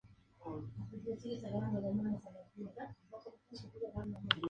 Su capital es la ciudad de Timișoara.